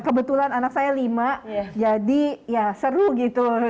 kebetulan anak saya lima jadi ya seru gitu